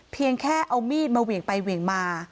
เพียงแค่เอามีดมาเหวี่ยงไปเหวี่ยงมา